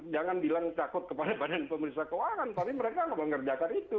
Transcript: jangan bilang takut kepada badan pemerintah keuangan tapi mereka nggak mengerjakan itu